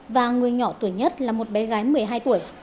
và người nhỏ tuổi nhất là một bé gái một mươi hai tuổi